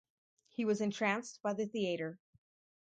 He was entranced by the theatre.